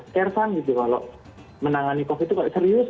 seker sang gitu kalau menangani covid itu serius